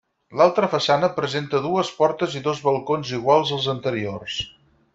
L’altra façana presenta dues portes i dos balcons iguals als anteriors.